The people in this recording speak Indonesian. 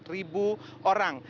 empat puluh empat ribu orang